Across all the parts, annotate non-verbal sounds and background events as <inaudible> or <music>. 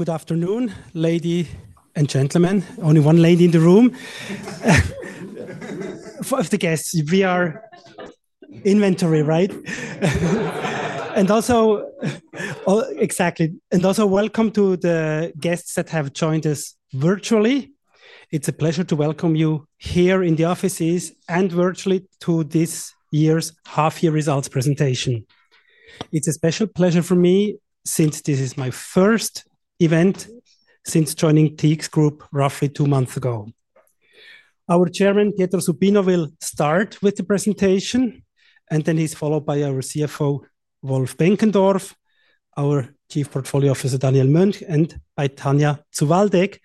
Good afternoon, lady and gentlemen. Only one lady in the room of the guests. We are inventory, right. Exactly. Also, welcome to the guests that have joined us virtually. It's a pleasure to welcome you here in the offices and virtually to this year's half year results presentation. It's a special pleasure for me since this is my first event since joining TX Group roughly two months ago. Our Chairman, Pietro Supino, will start with the presentation and then he's followed by our CFO Wolf Benkendorff, our Chief Portfolio Officer Daniel Mönch, and Tanja zu Waldeck,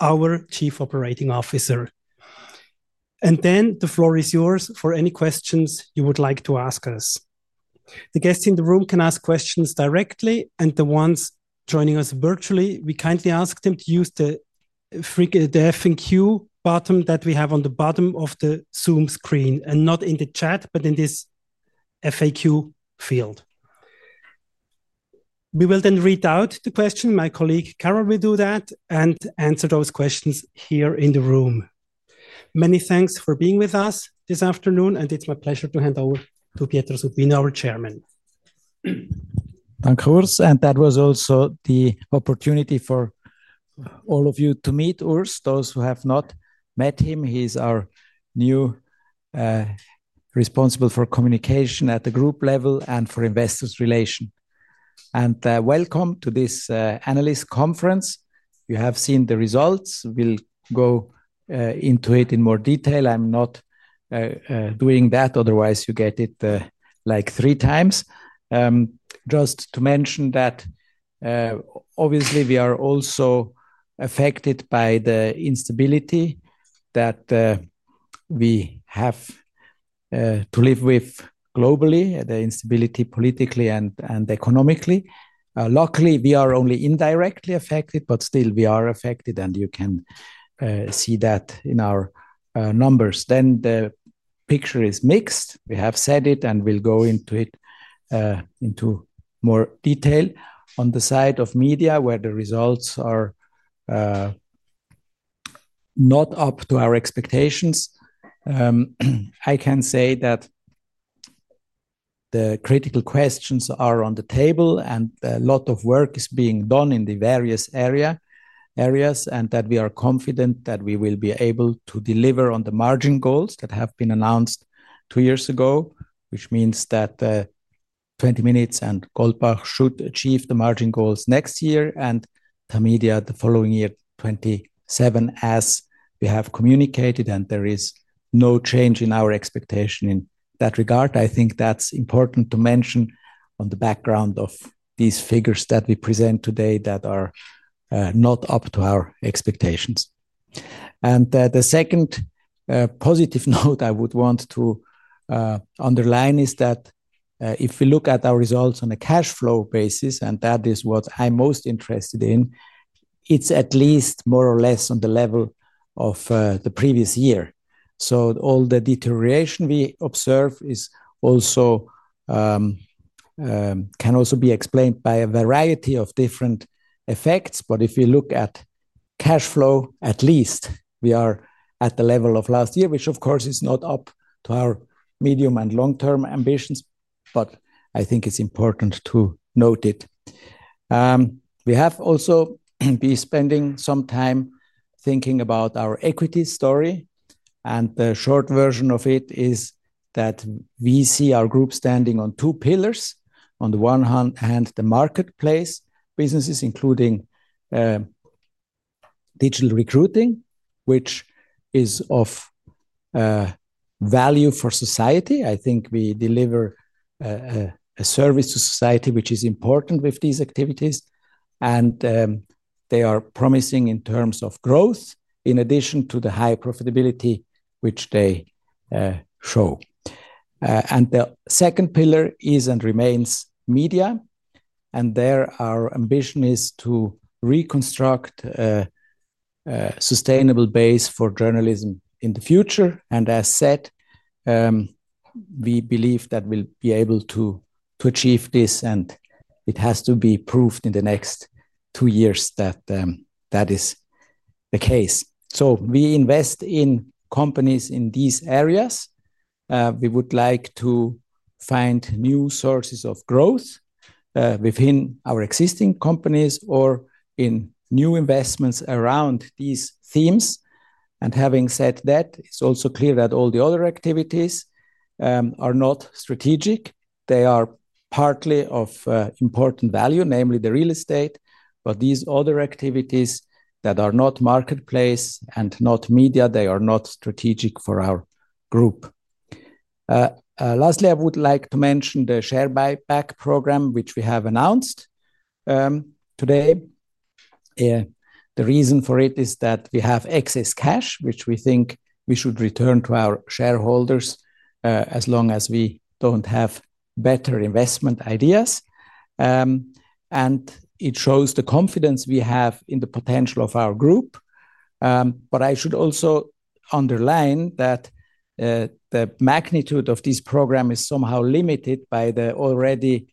our Chief Operating Officer. The floor is yours for any questions you would like to ask us. The guests in the room can ask questions directly and the ones joining us virtually, we kindly ask them to use the FAQ button that we have on the bottom of the Zoom screen, not in the chat, but in this FAQ field. We will then read out the question. My colleague Karole will do that and answer those questions here in the room. Many thanks for being with us this afternoon. It's my pleasure to hand over to Pietro Supino, our Chairman. That was also the opportunity for all of you to meet Urs, those who have not met him. He's our new responsible for communication at the group level and for Investors Relation. Welcome to this analyst conference. You have seen the results. We will go into it in more detail. I'm not doing that, otherwise you get it like three times. Just to mention that obviously we are also affected by the instability that we have to live with globally, the instability politically and economically. Luckily, we are only indirectly affected, but still we are affected and you can see that in our numbers. The picture is mixed. We have said it and we will go into it in more detail on the side of media where the results are not up to our expectations. I can say that the critical questions are on the table and a lot of work is being done in the various areas and that we are confident that we will be able to deliver on the margin goals that have been announced two years ago, which means that 20 Minuten and Goldbach should achieve the margin goals next year and Tamedia the following year, 2027 as we have communicated, and there is no change in our expectation in that regard. I think that's important to mention on the background of these figures that we present today that are not up to our expectations. The second positive note I would want to underline is that if we look at our results on a cash flow basis, and that is what I'm most interested in, it's at least more or less on the level of the previous year. All the deterioration we observe can also be explained by a variety of different effects. If you look at cash flow, at least we are at the level of last year, which of course is not up to our medium and long-term ambitions, but I think it's important to note it. We have also been spending some time thinking about our equity story. The short version of it is that we see our group standing on two pillars. On the one hand, the marketplace businesses, including digital recruiting, which is of value for society. I think we deliver a service to society, which is important with these activities and they are promising in terms of growth, in addition to the high profitability which they show. The second pillar is and remains media. Our ambition is to reconstruct a sustainable base for journalism in the future. As said, we believe that we will be able to achieve this and it has to be proved in the next two years that that is the case. We invest in companies in these areas. We would like to find new sources of growth within our existing companies or in new investments around these themes. Having said that, it's also clear that all the other activities are not strategic. They are partly of important value, namely the real estate. These other activities that are not marketplace and not media are not strategic for our group. Lastly, I would like to mention the share buyback program which we have announced today. The reason for it is that we have excess cash which we think we should return to our shareholders as long as we don't have better investment ideas. It shows the confidence we have in the potential of our group. I should also underline that the magnitude of this program is somehow limited by the already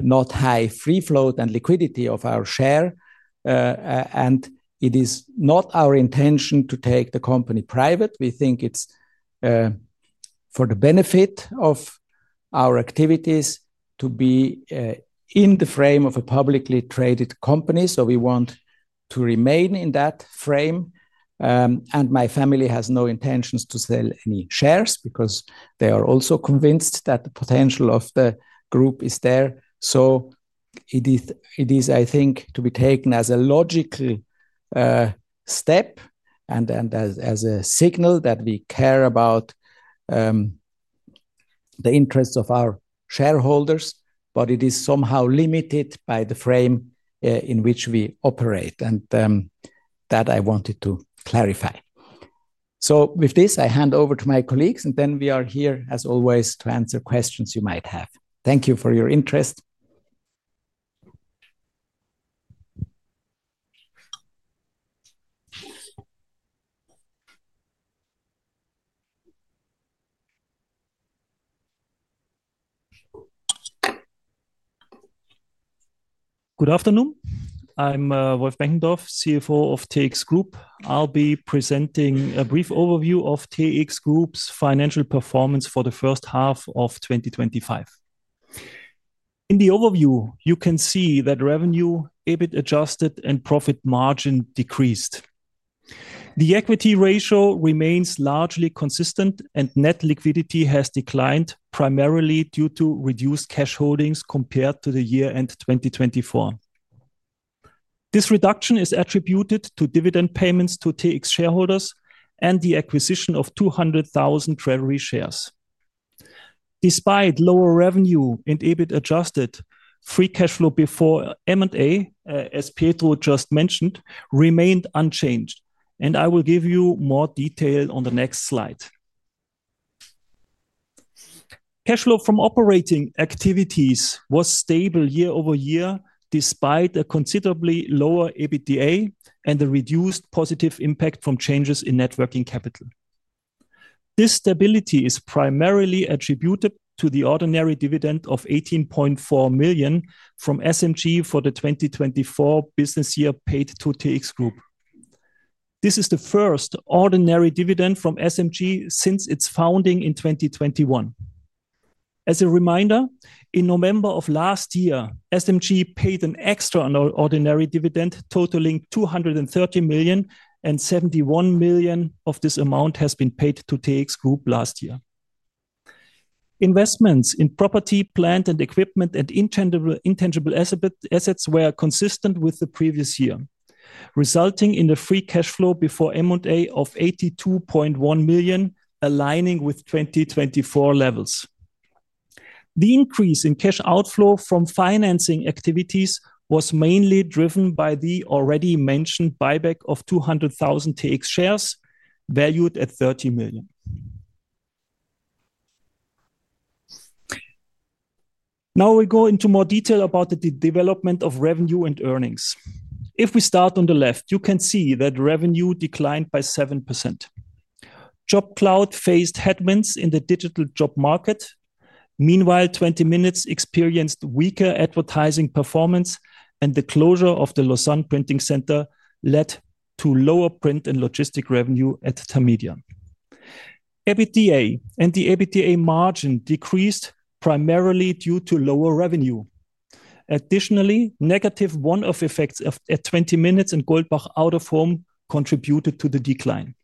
not high free float and liquidity of our share. It is not our intention to take the company private. We think it's for the benefit of our activities to be in the frame of a publicly traded company. We want to remain in that frame. My family has no intentions to sell any shares because they are also convinced that the potential of the group is there. It is, I think, to be taken as a logical step and as a signal that we care about the interests of our shareholders. It is somehow limited by the frame in which we operate. That I wanted to clarify. With this I hand over to my colleagues and then we are here, as always, to answer questions you might have. Thank you for your interest. Good afternoon, I'm Wolf Benkendorff, CFO of TX Group. I'll be presenting a brief overview of TX Group's financial performance for the first half of 2025. In the overview, you can see that revenue, EBITDA adjusted, and profit margin decreased. The equity ratio remains largely consistent, and net liquidity has declined primarily due to reduced cash holdings compared to the year end 2024. This reduction is attributed to dividend payments to TX shareholders and the acquisition of 200,000 treasury shares. Despite lower revenue and EBITDA adjusted, free cash flow before M&A, as Pietro just mentioned, remained unchanged, and I will give you more detail on the next slide. Cash flow from operating activities was stable year-over-year despite a considerably lower EBITDA and a reduced positive impact from changes in net working capital. This stability is primarily attributed to the ordinary dividend of 18.4 million from SMG for the 2024 business year paid to TX Group. This is the first ordinary dividend from SMG since its founding in 2021. As a reminder, in November of last year, SMG paid an extraordinary dividend totaling 230 million, and 71 million of this amount has been paid to TX Group. Last year, investments in property, plant and equipment, and intangible assets were consistent with the previous year, resulting in a free cash flow before M&A of 82.1 million, aligning with 2024 levels. The increase in cash outflow from financing activities was mainly driven by the already mentioned buyback of 200,000 TX shares valued at 30 million. Now we go into more detail about the development of revenue and earnings. If we start on the left, you can see that revenue declined by 7%. JobCloud faced headwinds in the digital job market. Meanwhile, 20 Minuten experienced weaker advertising performance, and the closure of the Lausanne printing center led to lower print and logistic revenue at Tamedia. EBITDA and the EBITDA margin decreased primarily due to lower revenue. Additionally, negative one-off effects at 20 Minuten and Goldbach out of home contributed to the decline.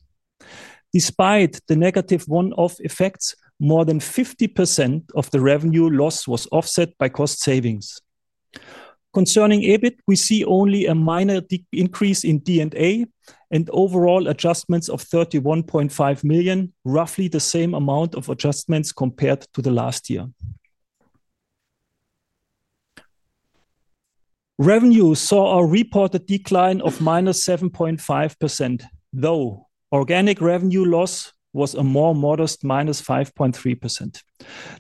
Despite the negative one-off effects, more than 50% of the revenue loss was offset by cost savings. Concerning EBIT, we see only a minor increase in D&A and overall adjustments of 31.5 million, roughly the same amount of adjustments compared to last year. Revenue saw a reported decline of -7.5%, though organic revenue loss was a more modest -5.3%.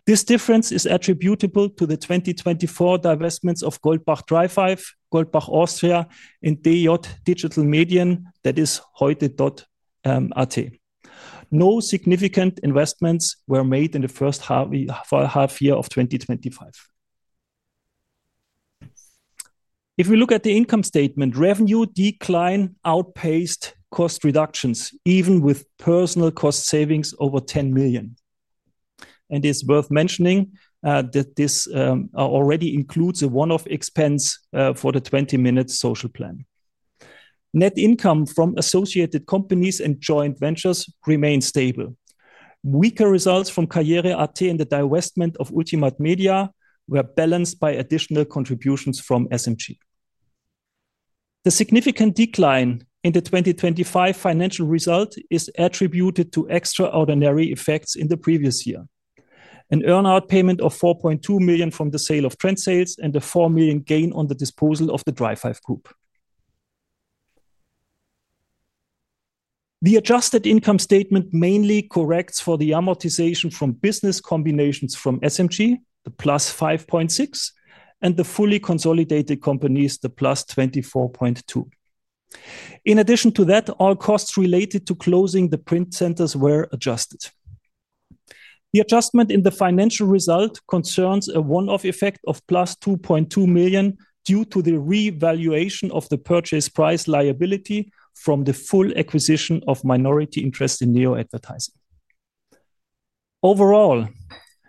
This difference is attributable to the 2024 divestments of Goldbach dreifive, Goldbach Austria, and DJ Digitale Medien, that is, heute.at. No significant investments were made in the first half year of 2025. If we look at the income statement, revenue decline outpaced cost reductions even with personnel cost savings over 10 million, and it's worth mentioning that this already includes a one-off expense for the 20 Minuten social plan. Net income from associated companies and joint ventures remained stable. Weaker results from Karriere.at and the divestment of Ultimate Media were balanced by additional contributions from SMG. The significant decline in the 2025 financial result is attributed to extraordinary effects in the previous year: an earn-out payment of 4.2 million from the sale of Trend Sales and a 4 million gain on the disposal of the dreifive Group. The adjusted income statement mainly corrects for the amortization from business combinations from SMG, the +5.6 million, and the fully consolidated companies, the +24.2 million. In addition to that, all costs related to closing the print centers were adjusted. The adjustment in the financial result concerns a one-off effect of +2.2 million due to the revaluation of the purchase price liability from the full acquisition of minority interest in Neo Advertising. Overall,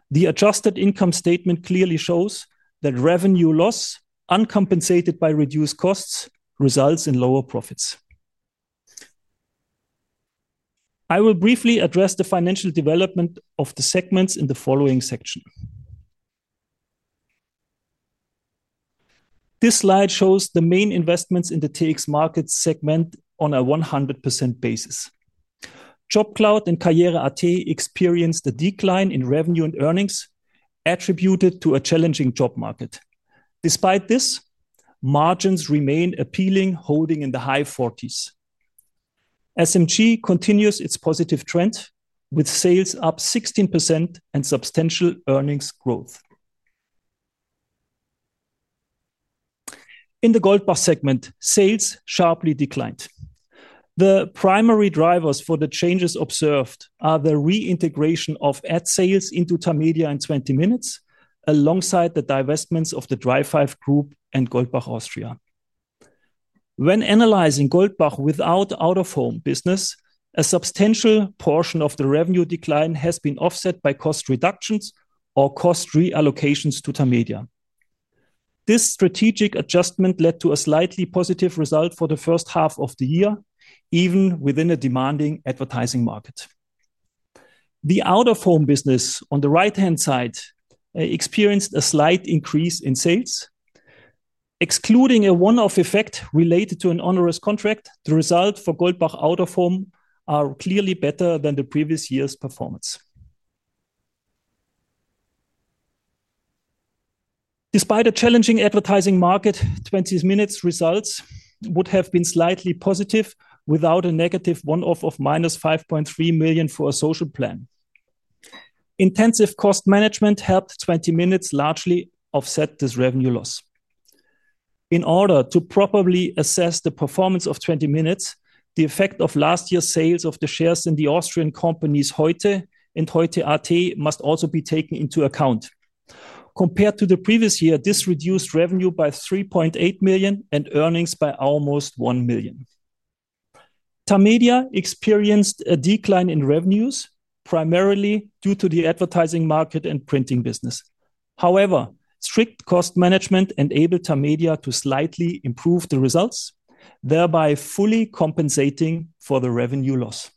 the adjusted income statement clearly shows that revenue loss uncompensated by reduced costs results in lower profits. I will briefly address the financial development of the segments in the following section. This slide shows the main investments in the TX market segment on a 100% basis. JobCloud and Karriere.at experienced a decline in revenue and earnings attributed to a challenging job market. Despite this, margins remain appealing, holding in the high 40s percent. SMG continues its positive trend with sales up 16% and substantial earnings growth. In the Goldbach segment, sales sharply declined. The primary drivers for the changes observed are the reintegration of ad sales into Tamedia and 20 Minuten alongside the divestments of the dreifive Group and Goldbach Austria. When analyzing Goldbach without out-of-home business, a substantial portion of the revenue decline has been offset by cost reductions or cost reallocations to Tamedia. This strategic adjustment led to a slightly positive result for the first half of the year, even within a demanding advertising market. The out of home business on the right hand side experienced a slight increase in sales excluding a one-off effect related to an onerous contract. The result for Goldbach out of home are clearly better than the previous year's performance. Despite a challenging advertising market, 20 Minuten results would have been slightly positive without a negative one-off of -5.3 million for a social plan. Intensive cost management helped 20 Minuten largely offset this revenue loss. In order to properly assess the performance of 20 Minuten, the effect of last year's sales of the shares in the Austrian companies Heute and heute.at must also be taken into account. Compared to the previous year, this reduced revenue by 3.8 million and earnings by almost 1 million. Tamedia experienced a decline in revenues primarily due to the advertising market and printing business. However, strict cost management enabled Tamedia to slightly improve the results, thereby fully compensating for the revenue loss.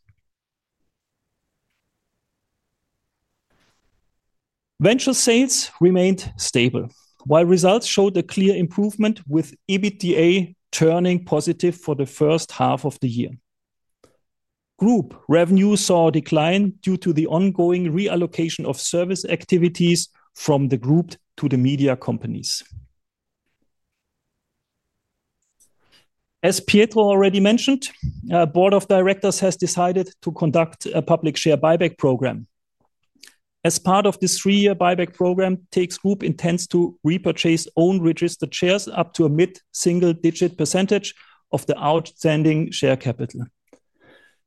Venture sales remained stable while results showed a clear improvement with EBITDA turning positive for the first half of the year. Group revenue saw a decline due to the ongoing reallocation of service activities from the Group to the media companies. As Pietro already mentioned, the Board of Directors has decided to conduct a public share buyback program. As part of this three-year buyback program, TX Group intends to repurchase own registered shares up to a mid single-digit percentage of the outstanding share capital.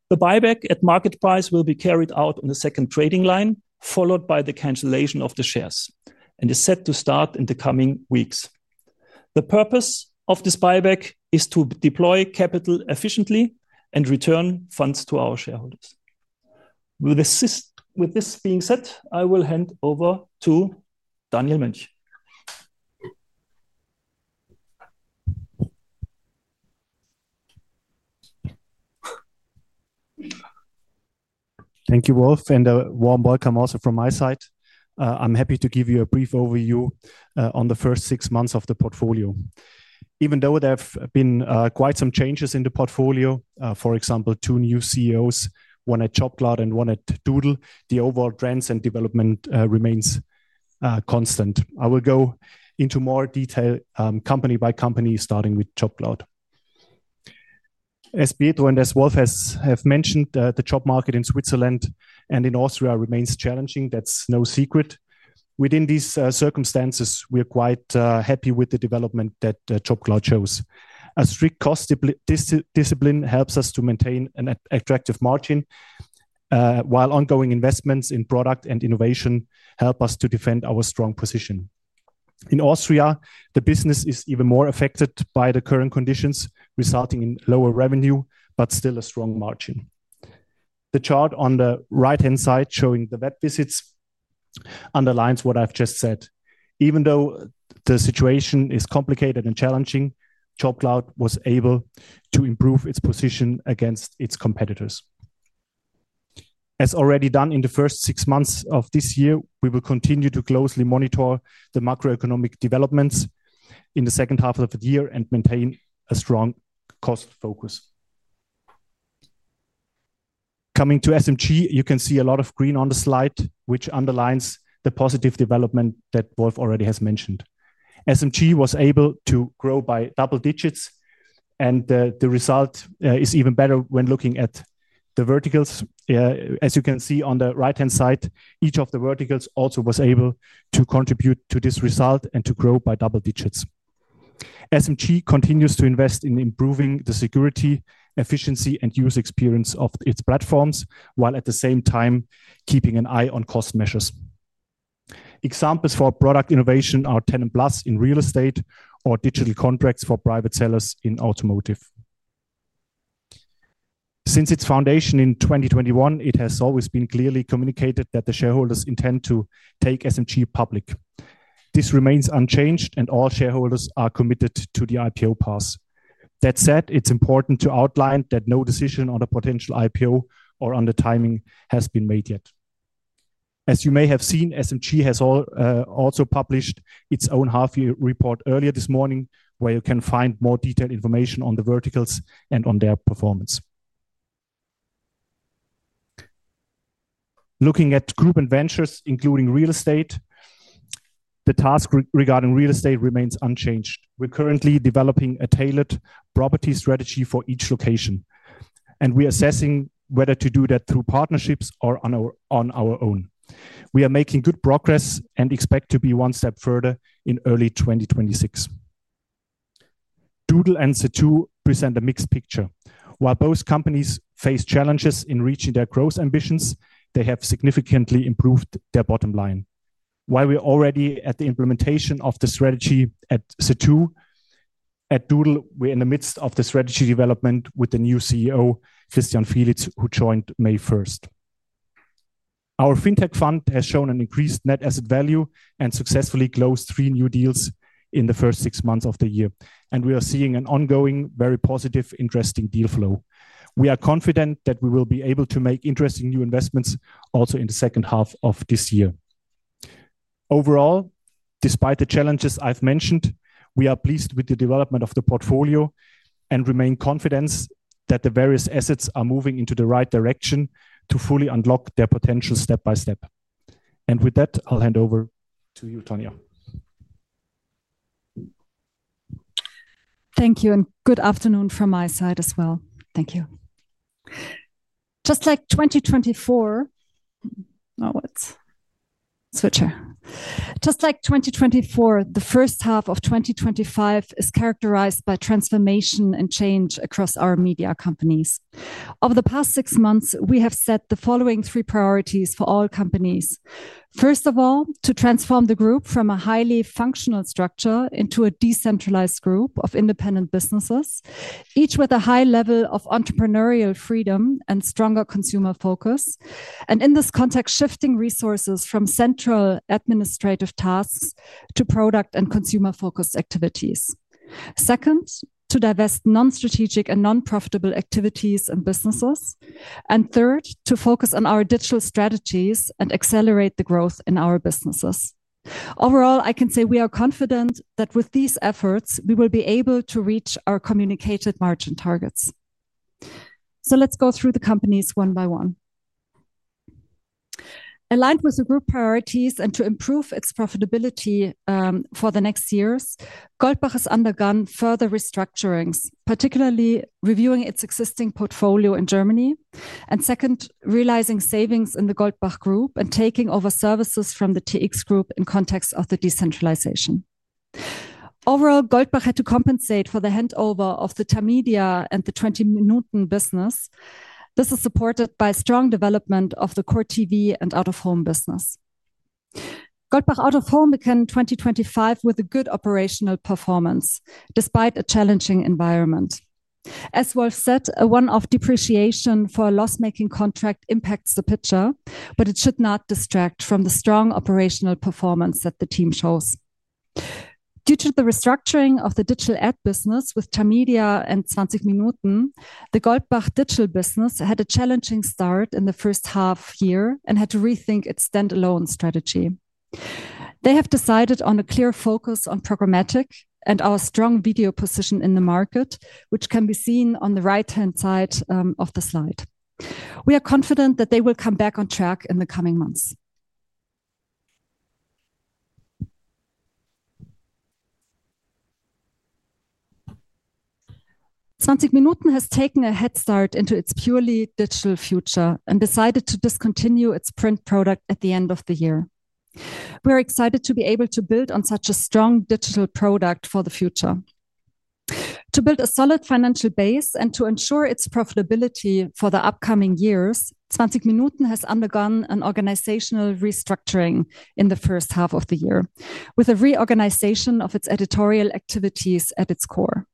The buyback at market price will be carried out on the second trading line followed by the cancellation of the shares and is set to start in the coming weeks. The purpose of this buyback is to deploy capital efficiently and return funds to our shareholders. With this being said, I will hand over to Daniel Mönch. Thank you, Wolf, and a warm welcome also from my side. I'm happy to give you a brief overview on the first six months of the portfolio. Even though there have been quite some changes in the portfolio, for example, two new CEOs, one at JobCloud and one at Doodle, the overall trends and development remain constant. I will go into more detail company by company, starting with JobCloud. As Pietro and as Wolf have mentioned, the job market in Switzerland and in Austria remains challenging. That's no secret. Within these circumstances, we are quite happy with the development that JobCloud chose. A strict cost discipline helps us to maintain an attractive margin, while ongoing investments in product and innovation help us to defend our strong position. In Austria, the business is even more affected by the current conditions, resulting in lower revenue but still a strong margin. The chart on the right-hand side showing the web visits underlines what I've just said. Even though the situation is complicated and challenging, JobCloud was able to improve its position against its competitors as already done in the first six months of this year. We will continue to closely monitor the macroeconomic developments in the second half of the year and maintain a strong cost focus. Coming to SMG, you can see a lot of green on the slide, which underlines the positive development that Wolf already has mentioned. SMG was able to grow by double digits, and the result is even better when looking at the verticals. As you can see on the right-hand side, each of the verticals also was able to contribute to this result and to grow by double digits. SMG continues to invest in improving the security, efficiency, and user experience of its platforms while at the same time keeping an eye on cost measures. Examples for product innovation are tenant plus in real estate or digital contracts for private sellers in automotive. Since its foundation in 2021, it has always been clearly communicated that the shareholders intend to take SMG public. This remains unchanged, and all shareholders are committed to the IPO path. That said, it's important to outline that no decision on a potential IPO or on the timing has been made yet. As you may have seen, SMG has also published its own half-year report earlier this morning, where you can find more detailed information on the verticals and on their performance. Looking at Group and Ventures including real estate, the task regarding real estate remains unchanged. We're currently developing a tailored property strategy for each location, and we are assessing whether to do that through partnerships or on our own. We are making good progress and expect to be one step further in early 2026. Doodle and Zattoo present a mixed picture. While both companies face challenges in reaching their growth ambitions, they have significantly improved their bottom line. While we're already at the implementation of the strategy at Zattoo, at Doodle, we're in the midst of the strategy development with the new CEO Christian Fielitz, who joined May 1. Our fintech fund has shown an increased net asset value and successfully closed three new deals in the first six months of the year, and we are seeing an ongoing, very positive, interesting deal flow. We are confident that we will be able to make interesting new investments also in the second half of this year. Overall, despite the challenges I've mentioned, we are pleased with the development of the portfolio and remain confident that the various assets are moving in the right direction to fully unlock their potential step by step. With that, I'll hand over to you, Tanja. Thank you and good afternoon from my side as well. Thank you. Just like 2024, now it's switcher. Just like 2024. The first half of 2025 is characterized by transformation and change across our media companies. Over the past six months, we have set the following three priorities for all companies. First of all, to transform the group from a highly functional structure into a decentralized group of independent businesses, each with a high level of entrepreneurial freedom and stronger consumer focus, and in this context, shifting resources from central administrative tasks to product and consumer focused activities. Second, to divest non-strategic and non-profitable activities and businesses, and third, to focus on our digital strategies and accelerate the growth in our businesses. Overall, I can say we are confident that with these efforts we will be able to reach our communicated margin targets. Let's go through the companies one by one. Aligned with the group priorities and to improve its profitability for the next years, Goldbach has undergone further restructurings, particularly reviewing its existing portfolio in Germany and second, realizing savings in the Goldbach Group and taking over services from the TX Group in context of the decentralization. Overall, Goldbach had to compensate for the handover of the Tamedia and the 20 Minuten business. This is supported by strong development of the core TV and out of home business. Goldbach out of home began 2025 with a good operational performance despite a challenging environment. As Wolf said, a one-off depreciation for a loss-making contract impacts the picture, but it should not distract from the strong operational performance that the team shows. Due to the restructuring of the digital ad business with Tamedia and 20 Minuten, the Goldbach digital business had a challenging start in the first half year and had to rethink its standalone strategy. They have decided on a clear focus on programmatic and our strong video position in the market, which can be seen on the right-hand side of the slide. We are confident that they will come back on track in the coming months. 20 Minuten has taken a head start into its purely digital future and decided to discontinue its print product at the end of the year. We are excited to be able to build on such a strong digital product for the future. To build a solid financial base and to ensure its profitability for the upcoming years, 20 Minuten has undergone an organizational restructuring in the first half of the year with a reorganization of its editorial activities at its core,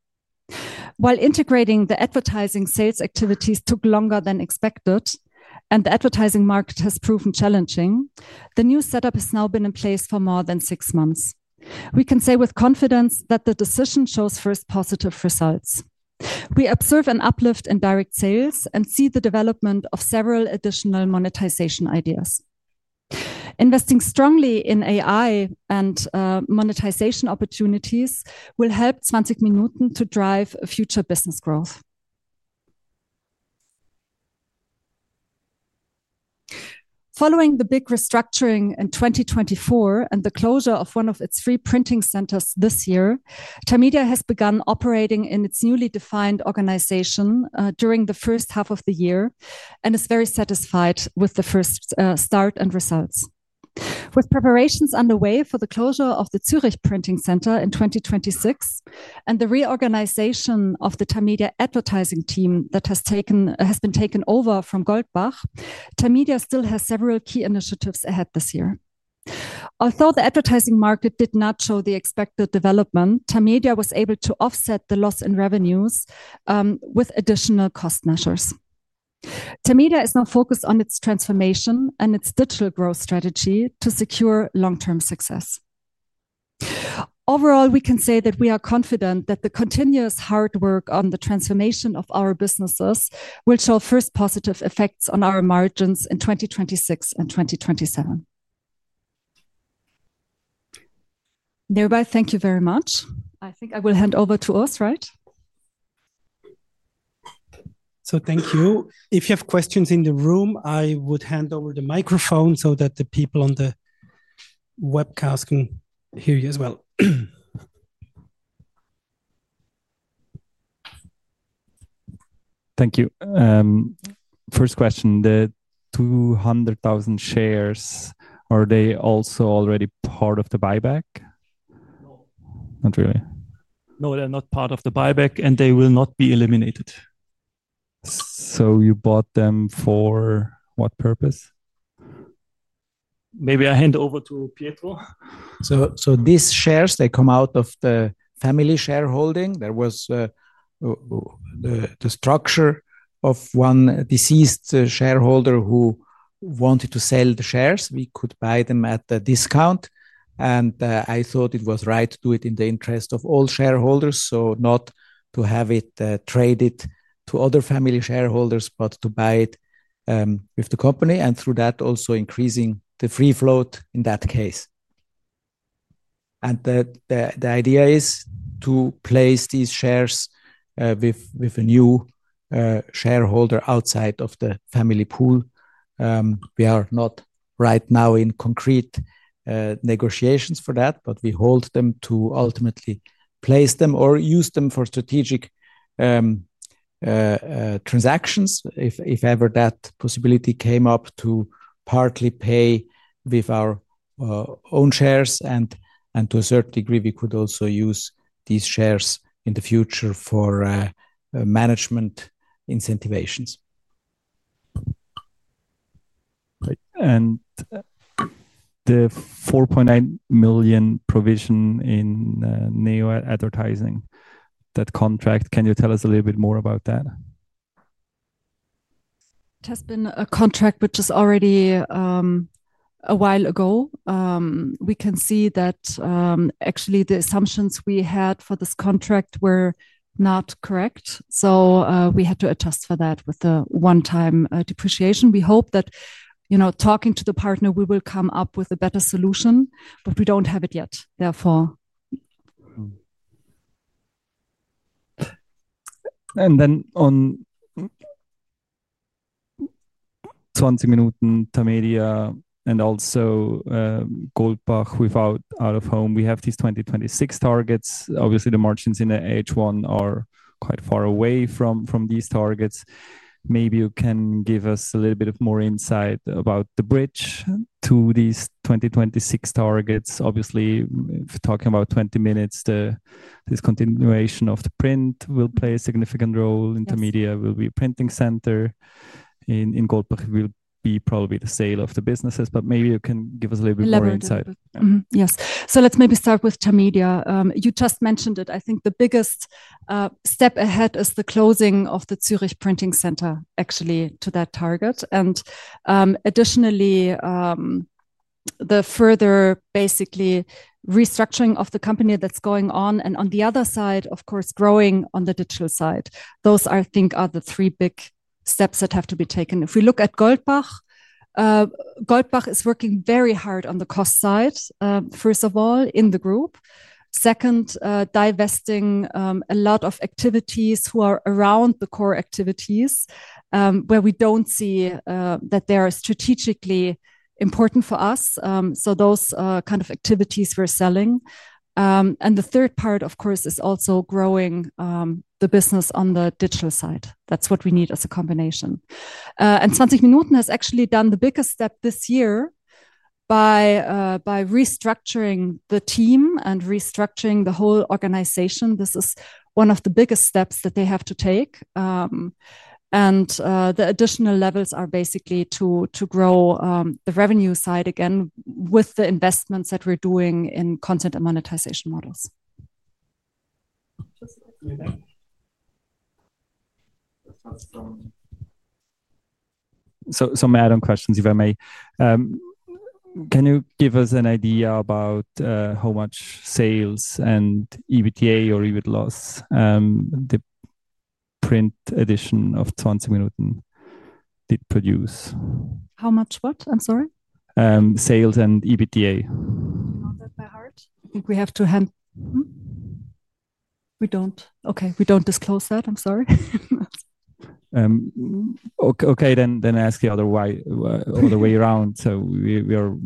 while integrating the advertising sales activities took longer than expected and the advertising market has proven challenging. The new setup has now been in place for more than six months. We can say with confidence that the decision shows first positive results. We observe an uplift in direct sales and see the development of several additional monetization ideas. Investing strongly in AI and monetization opportunities will help 20 Minuten to drive future business growth. Following the big restructuring in 2024 and the closure of one of its three printing centers this year, Tamedia has begun operating in its newly defined organization during the first half of the year and is very satisfied with the first start and results, with preparations underway for the closure of the Zürich printing center in 2026 and the reorganization of the Tamedia advertising team that has been taken over from Goldbach. Tamedia still has several key initiatives ahead this year. Although the advertising market did not show the expected development, Tamedia was able to offset the loss in revenues with additional cost measures. Tamedia is now focused on its transformation and its digital growth strategy to secure long-term success. Overall, we can say that we are confident that the continuous hard work on the transformation of our businesses will show first positive effects on our margins in 2026 and 2027. Thank you very much. I think I will hand over to Urs. Right. Thank you. If you have questions in the room, I would hand over the microphone so that the people on the webcast can hear you as well. Thank you. First question, the 200,000 shares, are they also already part of the buyback? Not really. No, they're not part of the buyback, and they will not be eliminated. You bought them for what purpose? Maybe I hand over to Pietro. These shares come out of the family shareholding. There was the structure of one deceased shareholder who wanted to sell the shares. We could buy them at a discount, and I thought it was right to do it in the interest of all shareholders, not to have it traded to other family shareholders, but to buy it with the company and through that also increasing the free float in that case. The idea is to place these shares with a new shareholder outside of the family pool. We are not right now in concrete negotiations for that, but we hold them to ultimately place them or use them for strategic transactions if ever that possibility came up, to partly pay with our own shares. To a certain degree, we could also use these shares in the future for management incentivizations. The 4.9 million provision in Neo Advertising, that contract. Can you tell us a little bit more about that? It has been a contract which is already a while ago. We can see that actually the assumptions we had for this contract were not correct. We had to adjust for that with the one-time depreciation. We hope that, you know, talking to the partner, we will come up with a better solution, but we don't have it yet. Therefore. And then on 20 Minuten, Tamedia and also Goldbach without out of home, we have these 2026 targets. Obviously, the margins in H1 are quite far away from these targets. Maybe you can give us a little bit more insight about the bridge to these 2026 targets. Obviously, talking about 20 Minuten, the discontinuation of the print will play a significant role. Tamedia will be printing center and Goldbach will be probably the sale of the businesses. Maybe you can give us a little bit more insight. Yes. Let's maybe start with Tamedia. You just mentioned it. I think the biggest step ahead is the closing of the Zürich printing center actually to that target. Additionally, the further basically restructuring of the company that's going on. On the other side, of course, growing on the digital side. Those I think are the three big steps that have to be taken. If we look at Goldbach, Goldbach is working very hard on the cost side. First of all in the group. Second, divesting a lot of activities that are around the core activities where we don't see that they are strategically important for us. Those kind of activities we're selling. The third part, of course, is also growing the business on the digital side. That's what we need as a combination. 20 Minuten has actually done the biggest step this year by restructuring the team and restructuring the whole organization. This is one of the biggest steps that they have to take. The additional levels are basically to grow the revenue side again with the investments that we're doing in content and monetization models. Can you give us an idea about how much sales and EBITDA or EBIT loss the print edition of 20 Minuten did produce? How much? What? I'm sorry. Sales and EBITDA. I think we have to handle. We don't disclose that. I'm sorry. We are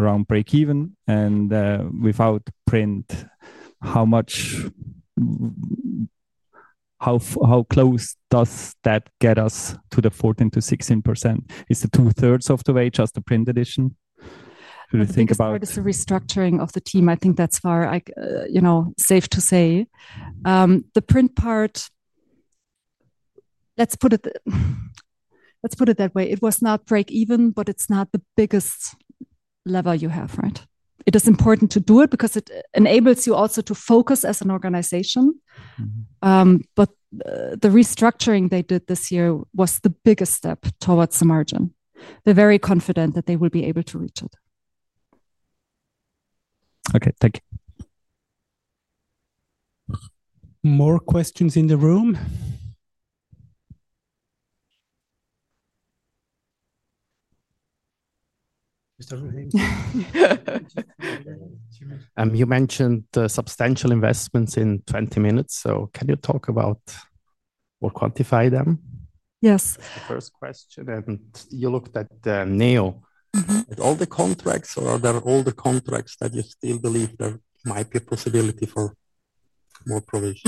around break even and without print. How close does that get us to the 14%-16%? Is it 2/3 of the way? Just the print edition. It is the restructuring of the team I think that's far, you know, safe to say. The print part, let's put it that way, it was not break even, but it's not the biggest lever you have. It is important to do it because it enables you also to focus as an organization. The restructuring they did this year was the biggest step towards the margin. They're very confident that they will be able to reach it. Okay, thank you. More questions in the room. You mentioned the substantial investments in 20 Minuten. Can you talk about or quantify them? <crosstalk> The first question. You looked at Neo, all the contracts or are there all the contracts that you still believe there might be a possibility for more provision?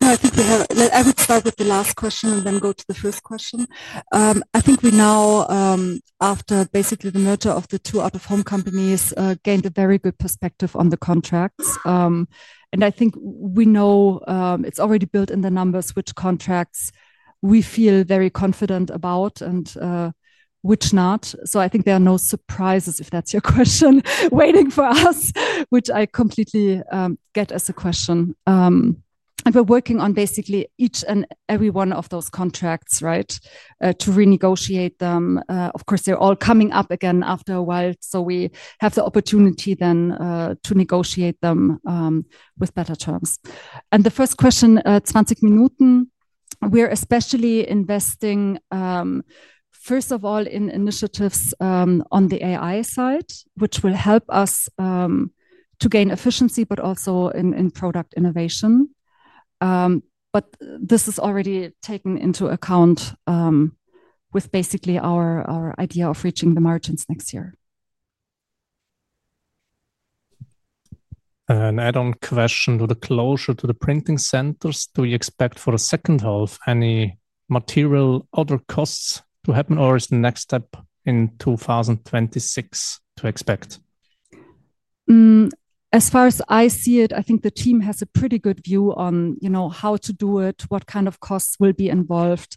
No I think we have, I will start with the last question and then go to the first question. I think we now, after basically the merger of the two out of home companies, gained a very good perspective on the contracts. I think we know it's already built in the numbers, which contracts we feel very confident about and which not. I think there are no surprises if that's your question waiting for us, which I completely get as a question. We're working on basically each and every one of those contracts to renegotiate them. Of course, they're all coming up again after a while, so we have the opportunity then to negotiate them with better terms. The first question, 20 Minuten, we are especially investing first of all in initiatives on the AI side, which will help us to gain efficiency, but also in product innovation. This is already taken into account with basically our idea of reaching the margins next year. An add-on question to the closure of the printing centers. Do you expect for the second half any material, other costs to happen, or is the next step in 2026 to expect? As far as I see it, I think the team has a pretty good view on how to do it, what kind of costs will be involved.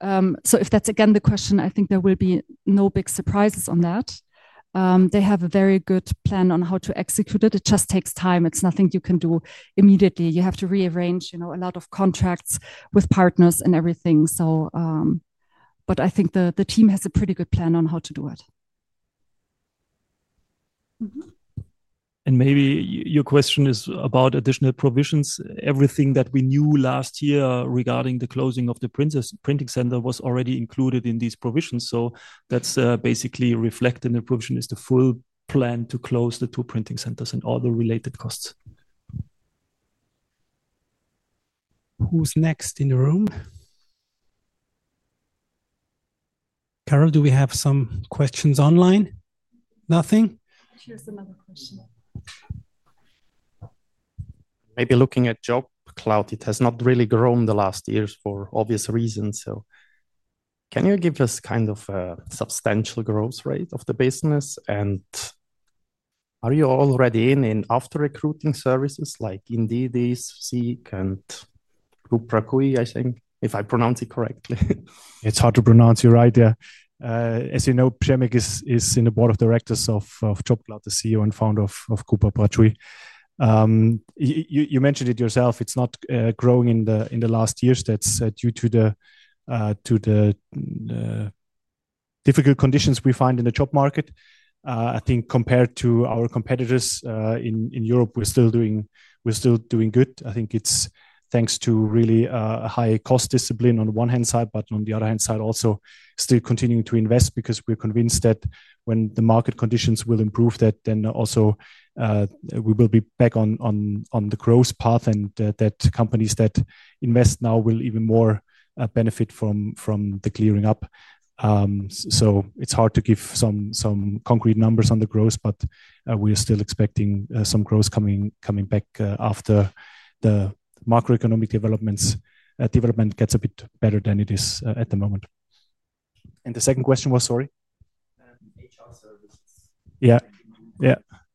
If that's again the question, I think there will be no big surprise on that. They have a very good plan on how to execute it. It just takes time. It's nothing you can do immediately. You have to rearrange a lot of contracts with partners and everything. I think the team has a pretty good plan on how to do it. Maybe your question is about additional provisions. Everything that we knew last year regarding the closing of the printing center was already included in these provisions. That's basically reflected in the provision: the full plan to close the two printing centers and all the related costs. Who's next in the room? Karole, do we have some questions online? Nothing. Here's another question. Maybe looking at JobCloud, it has not really grown the last years for obvious reasons. Can you give us kind of a substantial growth rate of the business? Are you already in after recruiting services like Indeed, Seek, and? <inaudible> I think if I pronounce it correctly. It's hard to pronounce you. Right, yeah. As you know, Przemyslaw is in the Board of Directors of JobCloud, the CEO and Founder of Grupa Pracuj. You mentioned it yourself. It's not growing in the last years. That's due to the difficult conditions we find in the job market. I think compared to our competitors in Europe, we're still doing good. I think it's thanks to really a high cost discipline on one hand side, but on the other hand side also still continuing to invest because we're convinced that when the market conditions will improve that then also we will be back on the growth path and that companies that invest now will even more benefit from the clearing up. It's hard to give some concrete numbers on the growth, but we are still expecting some growth coming back after the macroeconomic developments. Development gets a bit better than it is at the moment. The second question was. Sorry, yeah.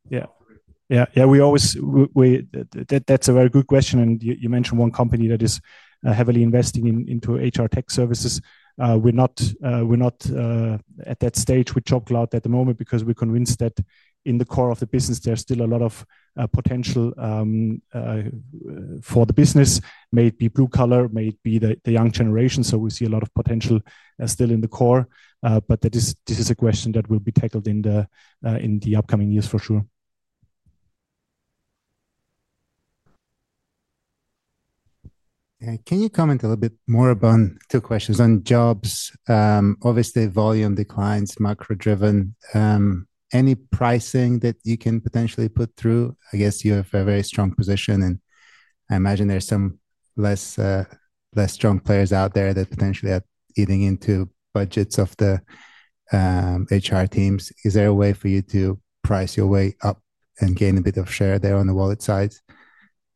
We always. That's a very good question. You mentioned one company that is heavily investing into HR tech services. We're not at that stage. We talk cloud at the moment because we're convinced that in the core of the business there's still a lot of potential for the business, may it be blue collar, may it be the young generation. We see a lot of potential still in the core. This is a question that will be tackled in the upcoming years for sure. Can you comment a little bit more upon two questions on jobs? Obviously volume declines, macro driven. Any pricing that you can potentially put through? I guess you have a very strong position, and I imagine there's some less, less strong players out there that potentially are eating into budgets of the HR teams. Is there a way for you to price your way up and gain a bit of share there on the wallet side,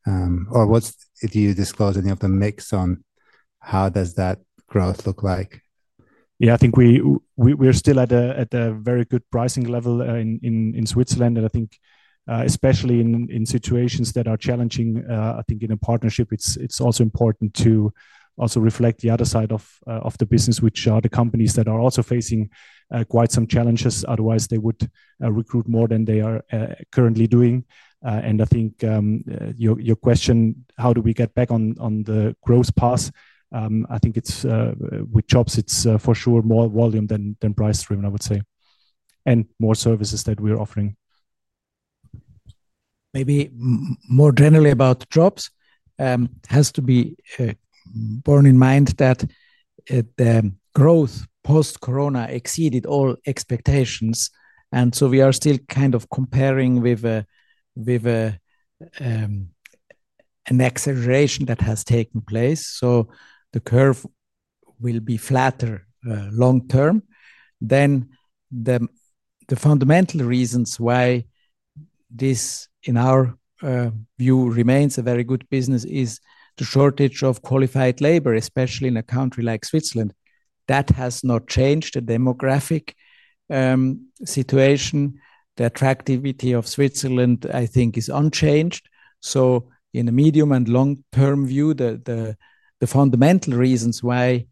or would you disclose any of the mix on how does that growth look like? Yeah, I think we're still at a very good pricing level in Switzerland, and I think especially in situations that are challenging, in a partnership it's also important to reflect the other side of the business, which are the companies that are also facing quite some challenges. Otherwise, they would recruit more than they are currently doing. I think your question, how do we get back on the growth path? I think with jobs it's for sure more volume than price driven, I would say, and more services that we're offering. More generally about jobs, it has to be borne in mind that the growth post-Corona exceeded all expectations. We are still kind of comparing with an acceleration that has taken place, so the curve will be flatter long-term. The fundamental reasons why this, in our view, remains a very good business are the shortage of qualified labor, especially in a country like Switzerland. That has not changed. The demographic situation and the attractivity of Switzerland, I think, is unchanged. In the medium and long-term view, the fundamental reasons why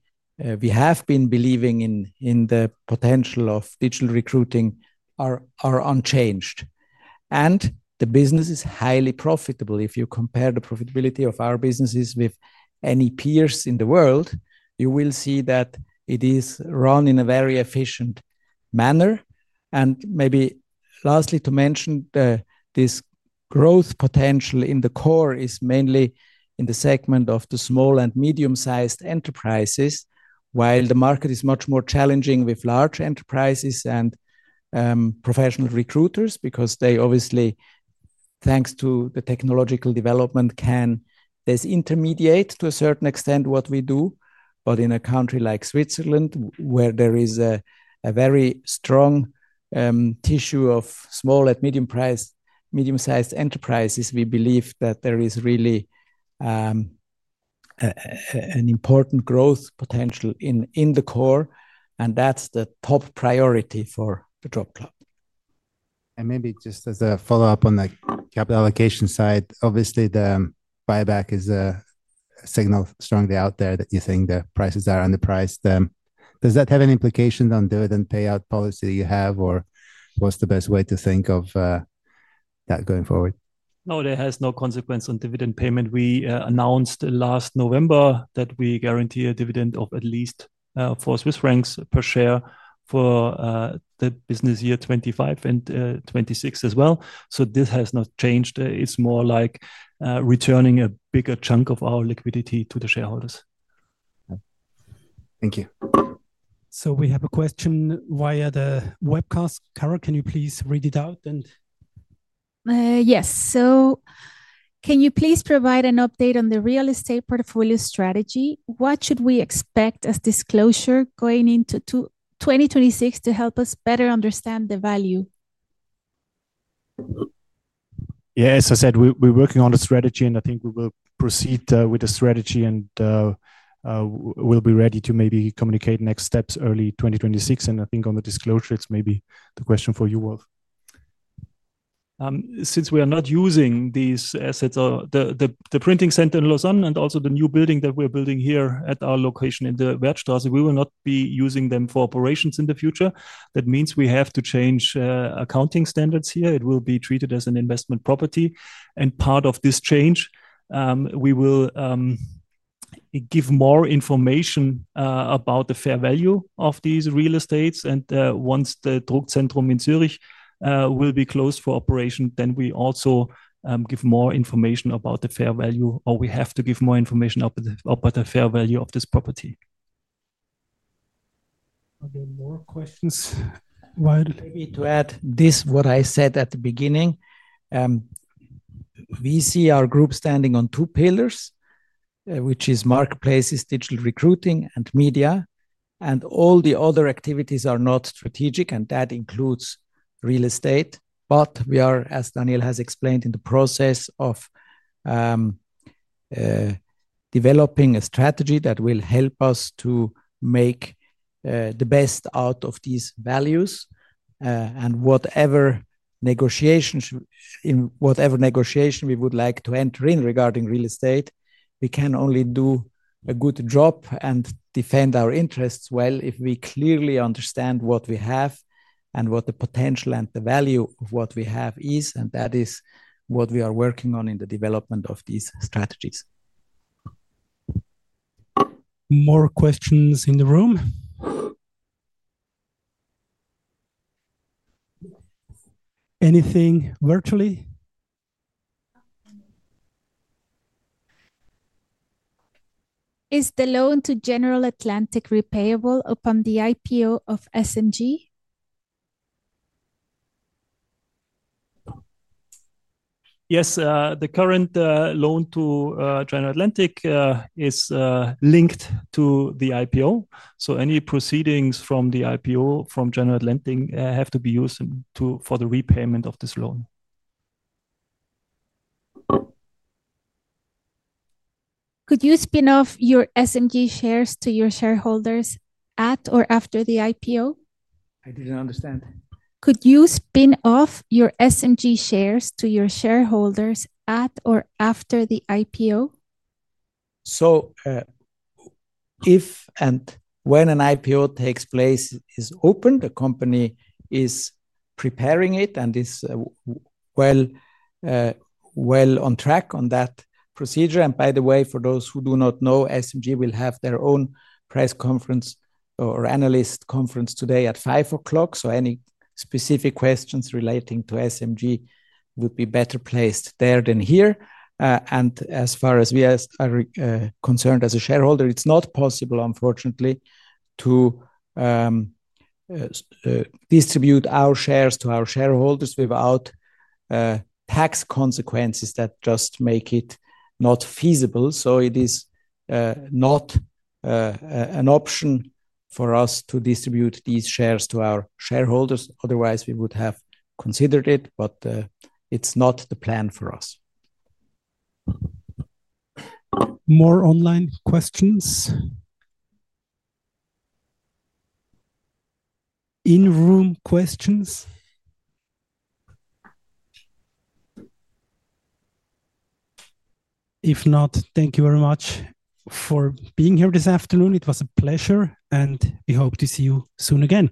we have been believing in the potential of digital recruiting are unchanged, and the business is highly profitable. If you compare the profitability of our businesses with any peers in the world, you will see that it is run in a very efficient way. Maybe lastly to mention, this growth potential in the core is mainly in the segment of the small and medium-sized enterprises, while the market is much more challenging with large enterprises and professional recruiters because they obviously, thanks to the technological development, can disintermediate to a certain extent what we do. In a country like Switzerland, where there is a very strong tissue of small and medium-sized enterprises, we believe that there is really an important growth potential in the core, and that's the top priority for JobCloud. Maybe just as a follow-up on the capital allocation side, obviously the buyback is a signal strongly out there that you think the prices are underpriced. Does that have any implications on the dividend payout policy you have, or what's the best way to think of that going forward? No, there has no consequence on dividend payment. We announced last November that we guarantee a dividend of at least 4 Swiss francs per share for the business year 2025 and 2026 as well. This has not changed. It's more like returning a bigger chunk of our liquidity to the shareholders. Thank you. We have a question via the webcast. Karole, can you please read it out? Yes. Can you please provide an update on the real estate portfolio strategy? What should we expect as disclosure going into 2026 to help us better understand the value? As I said, we're working on a strategy, and I think we will proceed with the strategy. We'll be ready to maybe communicate next steps early 2026. I think on the disclosure, it's maybe the question for you all. Since we ware not using these assets. The printing center in Lausanne and also the new building that we're building here at our location in the Werdstrasse, we will not be using them for operations in the future. That means we have to change accounting standards here. It will be treated as an investment property. As part of this change, we will give more information about the fair value of these real estates. Once the <inaudible> in Zürich will be closed for operation, we also give more information about the fair value or we have to give more information about the fair value of this property. Are there more questions? Maybe to add this, what I said at the beginning, we see our group standing on two pillars, which is marketplaces, digital recruiting, and media. All the other activities are not strategic, and that includes real estate. We are, as Daniel has explained, in the process of developing a strategy that will help us to make the best out of these values. Whatever negotiations, in whatever negotiation we would like to enter in regarding real estate, we can only do a good job and defend our interests well if we clearly understand what we have and what the potential and the value of what we have is. That is what we are working on in the development of these strategies. More questions in the room. Anything virtually? Is the loan to General Atlantic repayable upon the IPO of SMG? Yes. The current loan to General Atlantic is linked to the IPO. Any proceedings from the IPO from General Atlantic have to be used for the repayment of this loan. Could you spin off your SMG shares to your shareholders at or after the IPO? I didn't understand. Could you spin off your SMG shares to your shareholders at or after the IPO? If and when an IPO takes place is open, the company is preparing it and is well on track on that procedure. By the way, for those who do not know, SMG will have their own press conference or analyst conference today at 5:00 P.M. Any specific questions relating to SMG would be better placed there than here. As far as we are concerned as a shareholder, it's not possible, unfortunately, to distribute our shares to our shareholders without tax consequences that just make it not feasible. It is not an option for us to distribute these shares to our shareholders. Otherwise we would have considered it, but it's not the plan for us. More online questions? In room questions? If not, thank you very much for being here this afternoon. It was a pleasure, and we hope to see you soon again.